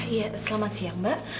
iya selamat siang mbak